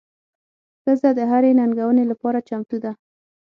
ښځه د هرې ننګونې لپاره چمتو ده.